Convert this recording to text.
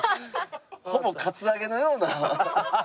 ほぼカツアゲのような。